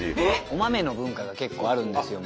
お豆の文化が結構あるんですよ